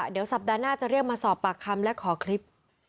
เดี๋ยวสัปดาห์หน้าจะเรียกมาสอบปากคำและขอคลิป